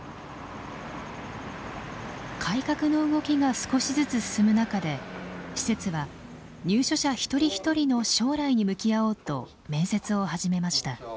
改革の動きが少しずつ進む中で施設は入所者一人一人の将来に向き合おうと面接を始めました。